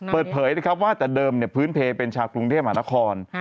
เปิดเผยนะครับว่าแต่เดิมพื้นเพลเป็นชาวกรุงเทพมหานคร